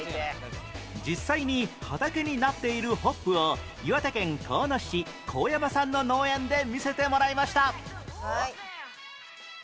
実際に畑になっているホップを岩手県遠野市神山さんの農園で見せてもらいました